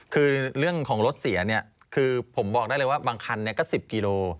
คือเรื่องของรถเสียเนี่ยคือผมบอกได้เลยว่าบางคันก็๑๐กิโล